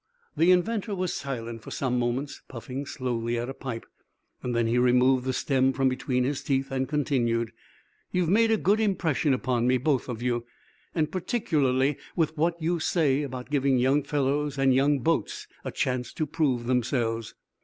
The inventor was silent for some moments, puffing slowly at a pipe, and then he removed the stem from between his teeth and continued: "You've made a good impression upon me, both of you, and particularly with what you say about giving young fellows and young boats a chance to prove themselves.